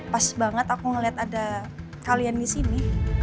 pas banget aku ngeliat ada kalian disini